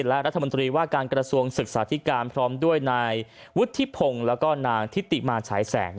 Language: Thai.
และรัฐมนตรีว่าการกระทรวงศึกษาธิการพร้อมด้วยนายวุฒิพงศ์แล้วก็นางทิติมาฉายแสง